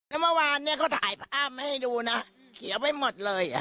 แล้วเมื่อวานเนี่ยเขาถ่ายภาพมาให้ดูนะเขียวไปหมดเลย